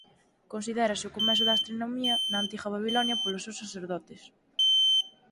Considérase o comezo da astronomía na antiga Babilonia polos seus sacerdotes.